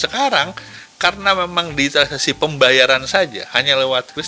sekarang karena memang digitalisasi pembayaran saja hanya lewat kris